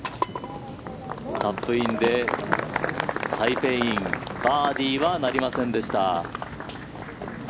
カップインでサイ・ペイインバーディーはなりませんでした。